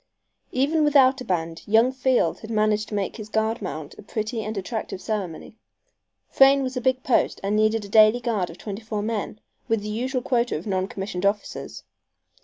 Even without a band young Field had managed to make his guard mount a pretty and attractive ceremony. Frayne was a big post and needed a daily guard of twenty four men, with the usual quota of non commissioned officers.